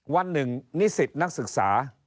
วันหนึ่งนิสิตนักศึกษา